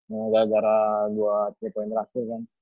gara gara gue tiga poin terakhir kan